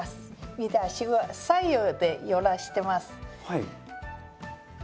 見て足は左右で揺らしてます。